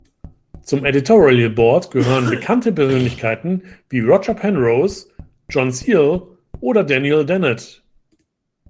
Zum Editorial Board gehören bekannte Persönlichkeiten, wie Roger Penrose, John Searle oder Daniel Dennett.